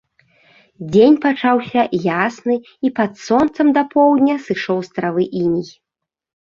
Дзень пачаўся ясны, і пад сонцам да паўдня сышоў з травы іней.